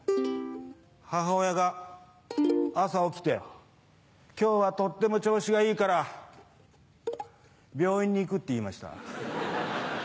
母親が朝起きて今日はとっても調子がいいから病院に行くって言いました。